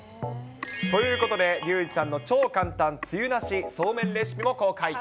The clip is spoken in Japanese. ということで、リュウジさんの超簡単つゆなしそうめんレシピも公開。